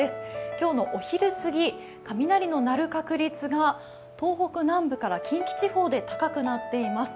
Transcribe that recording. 今日のお昼すぎ、雷の鳴る確率が東北南部から近畿地方で高くなっています。